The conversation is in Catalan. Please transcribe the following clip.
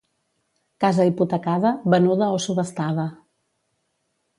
Casa hipotecada, venuda o subhastada.